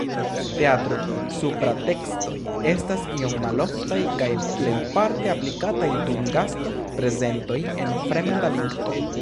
Teatro-supratekstoj estas iom maloftaj kaj plejparte aplikataj dum gasto-prezentoj en fremda lingvo.